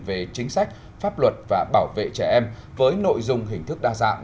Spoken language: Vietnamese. về chính sách pháp luật và bảo vệ trẻ em với nội dung hình thức đa dạng